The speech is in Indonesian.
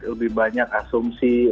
lebih banyak asumsi